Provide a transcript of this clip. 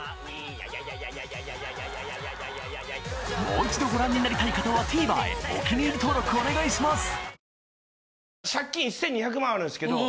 もう一度ご覧になりたい方はＴＶｅｒへお気に入り登録お願いします！